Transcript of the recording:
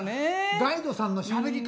ガイドさんのしゃべり方が実に。